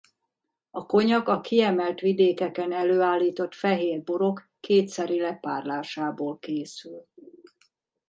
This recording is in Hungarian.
A cognac a kiemelt vidékeken előállított fehér borok kétszeri lepárlásából készül.